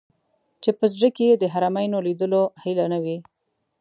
چې په زړه کې یې د حرمینو لیدلو هیله نه وي.